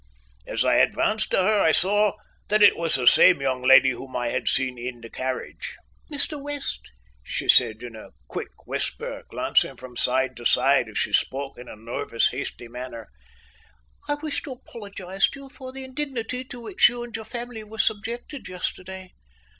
As I advanced to her I saw that it was the same young lady whom I had seen in the carriage. "Mr. West," she said, in a quick whisper, glancing from side to side as she spoke in a nervous, hasty manner, "I wish to apologise to you for the indignity to which you and your family were subjected yesterday.